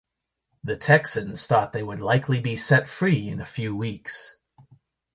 The Texans thought they would likely be set free in a few weeks.